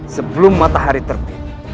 sebelum matahari terbit